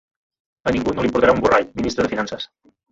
A ningú no li importarà un borrall, Ministre de Finances.